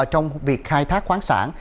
trong việc khai thác khoáng sản